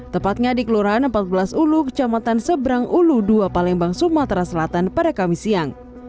tepatnya di kelurahan empat belas ulu kecamatan seberang ulu dua palembang sumatera selatan pada kamis siang